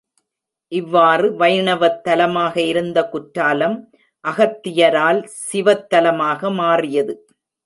இவ்வாறு வைணவத் தலமாக இருந்த குற்றாலம் அகத்தியரால் சிவத் தலமாக மாறியது.